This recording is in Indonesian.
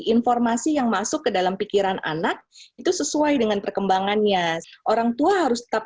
informasi yang masuk ke dalam pikiran anak itu sesuai dengan perkembangannya orang tua harus tetap